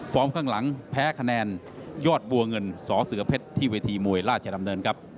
ข้างหลังแพ้คะแนนยอดบัวเงินสเสือเพชรที่เวทีมวยราชดำเนินครับ